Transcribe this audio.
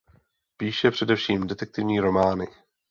Píše především detektivní romány.